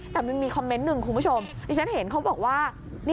แต่มันมีคอมเมนต์หนึ่งคุณผู้ชมที่ฉันเห็นเขาบอกว่า